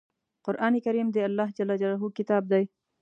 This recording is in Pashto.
قرآن کریم د الله ﷺ کتاب دی.